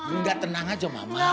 enggak tenang aja mama